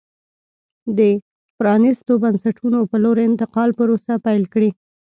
د پرانېستو بنسټونو په لور انتقال پروسه پیل کړي.